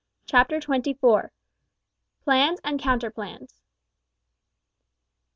CHAPTER TWENTY FOUR. PLANS AND COUNTER PLANS.